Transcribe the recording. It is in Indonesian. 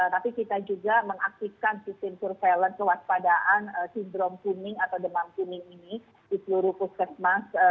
tapi kita juga mengaktifkan sistem surveillance kewaspadaan sindrom kuning atau demam kuning ini di seluruh puskesmas